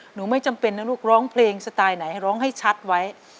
ไม่จำเป็นนะลูกร้องเพลงสไตล์ไหนร้องให้ชัดไว้